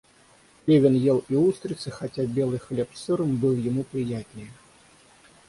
Левин ел и устрицы, хотя белый хлеб с сыром был ему приятнее.